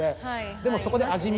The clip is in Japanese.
でもそこで。